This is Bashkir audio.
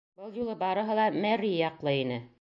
Был юлы барыһы ла Мерри яҡлы ине.